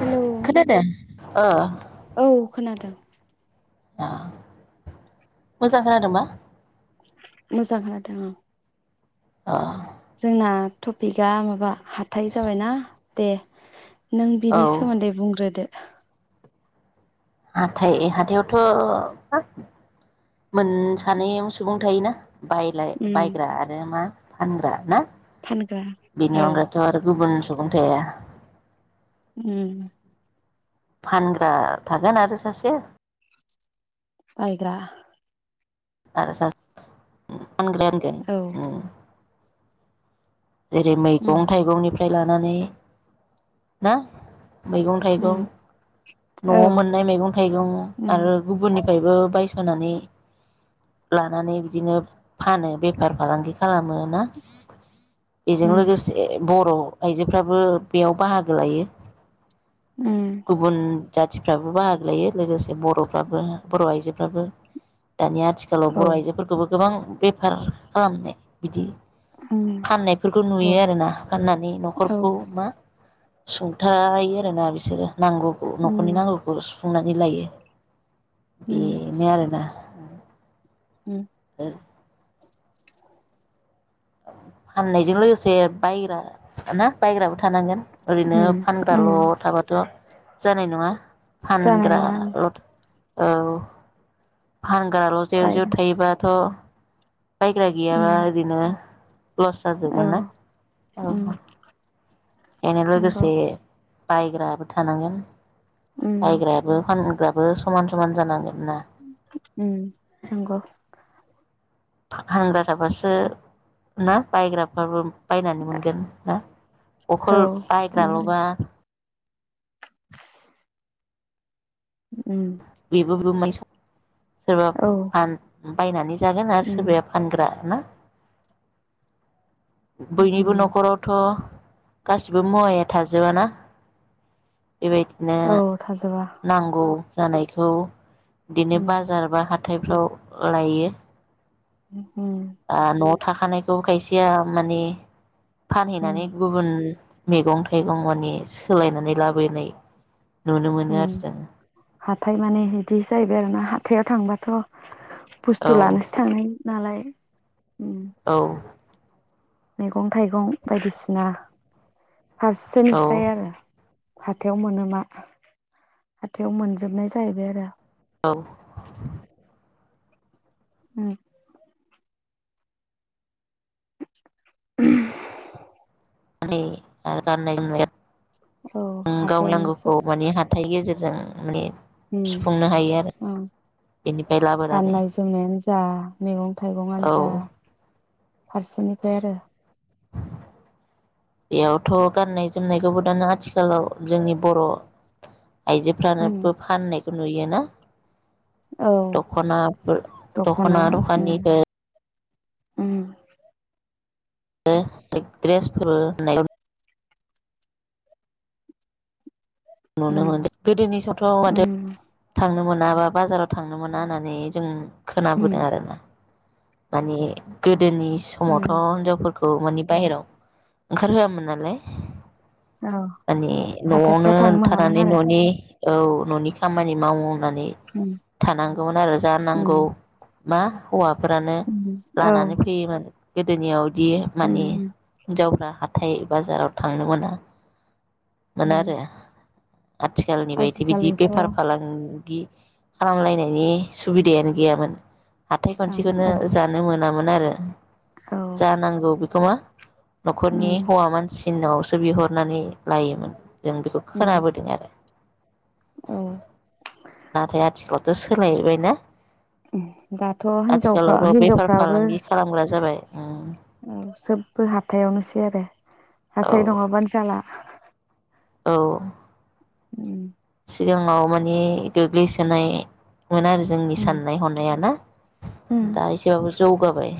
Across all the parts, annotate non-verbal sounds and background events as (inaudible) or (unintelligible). Hello खोनादों ओ औ खोनादों ओ‌ मोजां खोनादों बा मोजां खोनादों औ अ जोंना टपिकआ माबा हाथाय जाबायना दे नों औ बिनि सोमोन्दै बुंग्रोदो हाथाय हाथायावथ' हा मोन सानै सुबुं थायोना बायलाय उम बायग्रा आरो मा फानग्रा ना फानग्रा बिनि औ अनगाथ' आरो आरो गुबुन सुबुं थाया उम फानग्रा थागोन आरो सासे बायग्रा आरो सार उम फानग्रायोनगो औ उम जेरै उम मैगं थाइगंनि फ्राय लानानै ना मैगं थाइगं उम औ न'आव मोननाय मैगं थाइगं उम आरो गुबुनि फ्रायबो बायस सनानै लानानै बिदिनो फानो बेफार फालांगि खालामो ना बेजों उम लोगोसे बर' आयजोफ्राबो बेयाव बाहागो लायो उम गुबुन जाथिफ्राबो बाहागो लायो लोगोसे बर'फ्राबो बर' आइजोफ्राबो दानि आथिखालाव औ बर' आइजोफोरखौबो गोबां बेफार खालामनाय बिदि उम फाननायफोरखौ औ नुयो आरोना फाननानै औ न'खरखौ मा सुंथायो आरोना बिसोरो नांगौखौ न'खरनि उम नांगौखौ सुंनानै लायो। उम बेनो आरो ना उम ओ फाननायजों लोगोसे बायग्रा ना बायग्राबो थानांगोन ओरैनो उम फानग्राल' उम थाबाथ' जानाय नङा जानाय नङा आं फानग्राल' औ फानग्राल' जेउ जेउ बायगोन थायोबाथ' बायग्रा गियाबा उम इदिनो लस औ जाजोबगोन ना उम औ ए नंगौ लोगोसे बायग्राबो थानांगोन उम बायग्रायाबो फानग्राबो बो समान समान जानांगोन। ना उम नंगौ हांगार थाबासो ना बायग्राफ्राबो बायनानै मोनगोन ना औ अखल उम बायग्राल'बा उम बिबो बिमोन सोरबा औ फान बायनानै जागोन आरो सोरबाया फानग्रा ना बयनिबो न'खरावथ' गासिबो मुवाया' थाजोबाना बेबायदिनो औ थाजोबा नंगौ जानायखौ बिदिनो उम, बाजार बा हाथ हाथायफ्राव लायो। उम आलु थाखानायखौ खायसेया माने फानहैनानै उम, गुबुन मैगं थाइगं माने सोलायनानै लाबोनाय नुनो मोनो उ आरो जों हाथाय माने बिदि जाहैबाय आरो ना हाथायाव थांबाथ' बुस्थु लानोसो थाङो नालाय उम, औ मैगं थाइगं बायदिसिना औ फारसेनिफ्राय आरो हाथायाव मोनोमा हाथायाव मोनजोबनाय जाहैबाय आरो औ उ (inaudible) (unintelligible) औ औ गावलां हाथायावनो सोब गौखौ माने हात हाथाइ गेजेरजों माने सुफुंनो हायो आरो बेनिफ्राय लाबोनानै गाननाय जोमनायानो जा मैगं थाइगंआनो औ जा फारसेनिफ्राय आरो बेयावथ' गाननाय जोमनायखौबो दाना आथिखालाव जोंनि बर' उम, आइजोफ्रानोबो फाननाय नुयो ना औ दखनाफोर दख'ना दखानिफोर उम (unintelligible) ड्रेसफोर नुनो उम, मोनदों गोदोनि समावथ' माथो उम, थांनो मोनो मोनाबा बाजाराव थांनो मोना होननानै जों उम, खोनाबोदों आरोना माने गो गोदोनि उम। समावथ' हिनजावफोरखौ खौ माने बाहेराव ओंखार होआमोन नालाय औ माने हाथायफ्राव न'आवनो थांनो मोनामोन थानानै आरो न'नि औ न'नि खामानि मावो नानै उम थानांगौमोन आरो जानांगौ उम मा हौवा फोरानो औ लानानै फैयोमोन गोदोनियाव बि उम माने उम हिन्जावफ्रा हाथाय बाजाराव थांनो मोना मोन आरो उम आथिखालनि बायदि बिदि आजिखालिथ' बेफार फालां दि खालाम लायनायनि सुबिदायानो गैयामोन आं खान्थिखौनो आजि जानो मोन मोनामोन आरो औ जानांगौ बेखौ मा न'खरनि उम हौवा मानसिनावसो बिहरनानै लायोमोन जों बेखौ उम खोनाबोदों आरो औ नाथाय आथिखालाव दा सोलायबायना जाथ थ हिनजावफा आथिखालावथ' बेफार हिनजावफ्राबो फालांगि खालामग्रा जाबाय उम सोबबो हाथायावनो बि आरोे औ हाथाय नङाबानो जाला औ उम सिगाङाव मानि गोग्लैसोनाय मोन आरो जोंनि उम साननाय हनाया ना उम दा एसेबाबो जौगाब गय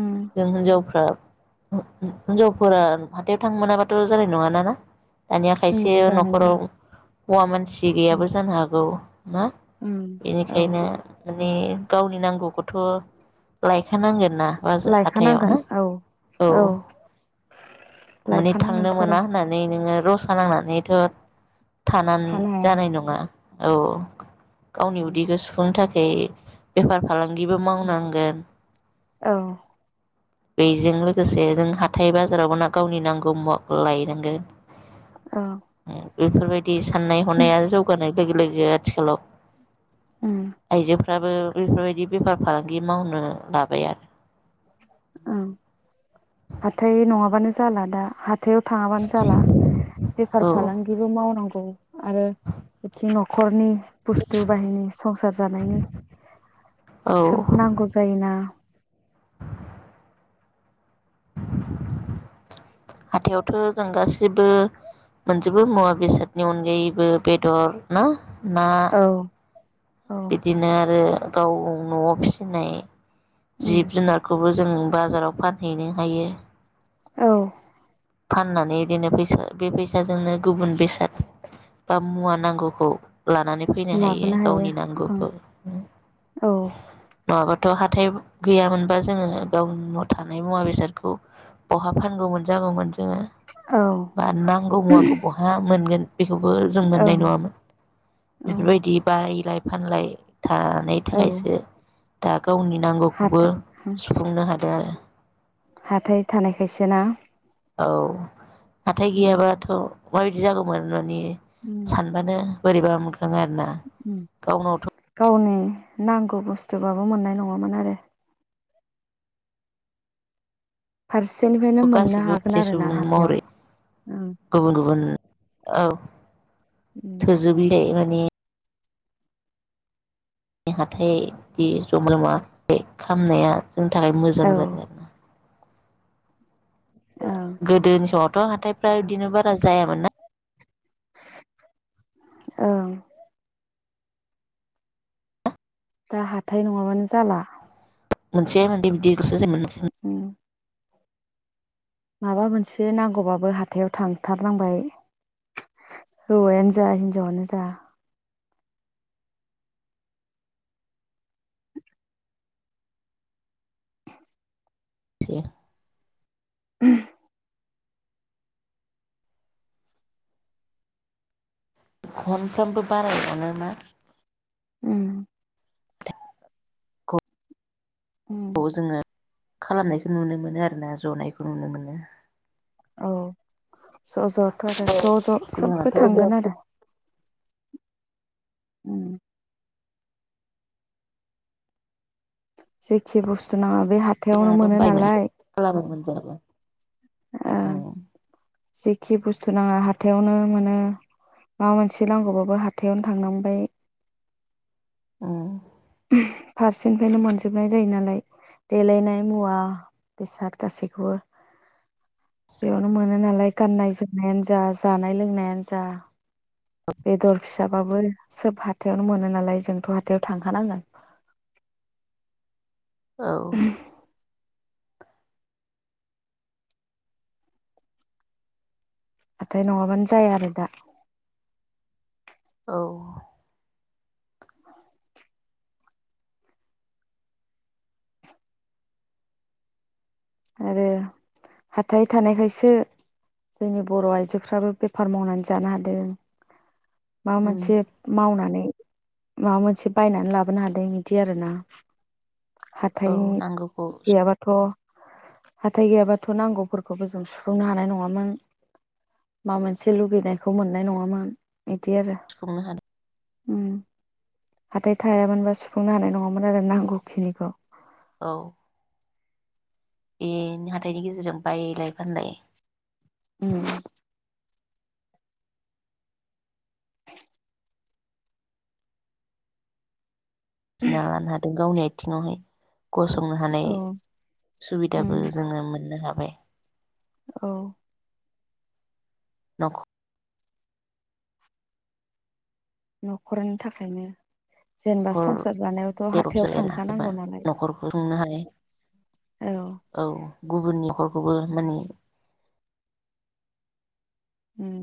उम जों हिनजावफ्रा हिनजावफोरा हाथायाव थांनो मोनाबाथ' जानाय नङाना ना दानिया उम खायसे जानाय न'खराव नङा हौवा मानसि उम गैयाबो जानो हागौ औ मा उम औ बेनिखायनो माने गावनि नांगौखौथ' लायखानांगोन ना बाजर हाथायाव लायखानांगोन ना औ औ माने थांनो लायखानांगोनथ' आरो मोना होननानै नोङो रसा नांनानैथ' थानानै थानो हाया जानाय नङा औ गावनि उदैखौ सुुंनो थाखाय बे बेफार फालांगिबो मावनांगोन औ बेजों लोगोसे जों हाथाय बाजारावबो नां गावनि नांगौ मुवा लायनांगोन औ बेफोरबायदि साननाय हनाया जौगानाय लोगो लोगो आथिखालाव उम फ्राबो बेफोरबायदि बेफार फालांगि मावनो लाबाय आरो ओं जालादा हाथ हाथायाव थाङाबानो जाला बेफार आरो फालांगिबो मावनांगौ आरो बिथिं न'खरनि बुस्थु बाहिनि संसार जानायनि औ सोब नांगौ जायोना हाथायावथ' जों गासिबो मोनजोबो मुवा बेसादनि अनगायैबो बेदर ना ना औ औ बिदिनो आरो गाव न'आव फिसिनाय उम जिब जुनारखौबो जों बाजाराव फानहैनो हायो औ फाननानै इदिनो फैसा बे फैसाजोंनो गुबुन बेसाद बा मुवा नांगौखौ लानानै फैनो हायो लाबोनो गावनि ओं नांगौबो औ नङाबा थ' हाथाय गैयामोनबा जोङो गावनाव थानाय मुवा बेसादखौ बहा फानगौमोन जागौमोन जोङो औ बा नांगौ मुवाखौ बहा मोनगोन बेखौबो जों मोननाय ओं नङामोन औ बेफोरबायदि बायलाय फानलाय थानाय औ थाखायसो दा गावनि नांगौखौबो हाथाय सुफुंनो हादों ओ हाथाय थानायखायसो ना औ हाथाय उम गैयाबाथ' मा इदि जागौमोन न नि उम सानबानो बोरैबा मोख खाङो आरोना उम गावनावथ' गावनि नांगौ बुस्थ बाबो मोननाय नङामोन आरो फारसेनिफ्रायनो मोननो गासिबो हागोन सासे आरो ना सुबुं हाथायाव महरै ओं गुबुन गुबुन औ उम थोजोबैलाय मा ने नि हाथायदि जमा लङा बे खालामनाया जोंनि थाखाय मोजां औ जाबाय आरोना ओं गोदोनि समावथ' हाथायफ्रा बिदिनो बारा जायामोन ना औ ओं दा हाथाय नङाबानो जाला मोनसेैेै बिबदि गोसो ज मोन उम माबा मोनसे नांगौबाबो हाथायाव थांथारनांबाय हौवायानो जा हिनजावानो जा (inaudible) (unintelligible) उम गु उम खालामनायखौ नुनो मोनो आरो ना जनायखौ नुनो मोनो औ ज' ज'थ' आरो ज' ज' सोबबो थांगोन सिगाङाथ' आरो उम जेखि बुस्थु नाङा बे हाथायावनो मोनो नालाय जाब ओं औ जेखि बुस्थु नाङा हाथायावनो मोनो माबा मोनसे नांगौबाबो हाथायावनो थांनांबाय उम फारसेनिफ्रायनो मोनजोबनाय जायो नालाय देलायनाय मुवा बेसाद गासैखौबो बेयावनो मोनो नालाय गाननाय जोमनायानो जा जानाय लोंनायानो जा बेदर हाबाबो सोब हाथायावनो मोनो नालाय जोंथ' हाथायाव थांखानांगोन औ नाथाय नङाबानो जाया आरो दा औ (unintelligible) आरो हाथाय थानायखायसो जोंनि बर' आइजोफ्राबो बेफार मावनानै जानो हादों माबा उम मोनसे मावनानै माबा मोनसे बायनानै लाबोनो हादों बिदि आरो ना हाथाय औ नांगौखौ गैयाबाथ' हाथाय गैयाबाथ' नांगौफोरखौबो जों सुफुंनो हानाय नङामोन माबा मोनसे लुुबैनायखौ मोननाय नङामोन आरो सुफुंनो हादों हाथाय थायामोनबा सुफुंनो हानाय नङामोन आरो नांगौखिनिखौ औ बेनो हाथाइनि गेजेरजों बायलाय फानलाय उम मिथिना लानो हादों गावनि थिङाव हाय गसंनो हानाय औ सुबिदाबो उम जोङो मोननो हाबाय औ नख न'खरनि थाखायनो जेनेबा नर संसार जानायावथ' देरब हाथायाव जायलाबा थांखानांगौ नालाय न'खरखौ खुंनो हानाय औ औ गुबुननि नखरखौबो माने उम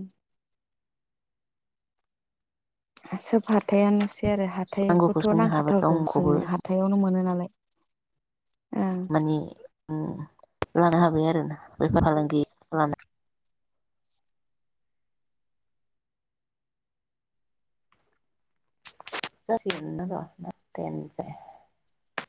सोब हाथायानोसै बे आरो नांगौखौ हाथायखौथ' सुफुंनो हाबाय नांखाथारगौ गावनिखौबो जोंनो हाथायावनो मोनो नालाय (unintelligible) मानि उम लानो हाबाय आरोना बेफार फालांगि लानो जासिगोन थ'र' (unintelligible)